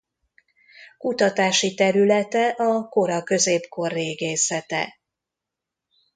Kutatási területe a kora középkor régészete.